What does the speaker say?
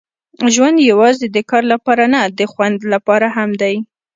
ژوند یوازې د کار لپاره نه، د خوند لپاره هم دی.